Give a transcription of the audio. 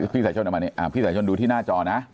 พี่สายชนดูที่หน้าจอนะ